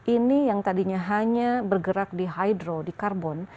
ini yang tadinya hanya bergerak di hydro di karbon